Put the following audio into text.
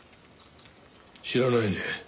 知らないね。